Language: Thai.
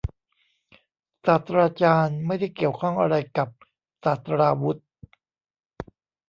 ศาสตราจารย์ ไม่ได้เกี่ยวข้องอะไรกับศาสตราวุธ